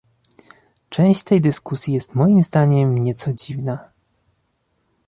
Część tej dyskusji jest moim zdaniem nieco dziwna